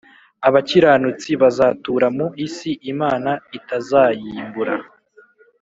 abakiranutsi bazatura mu isi imana itazayiimbura